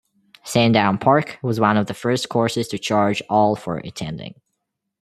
Sandown Park was one of the first courses to charge all for attending.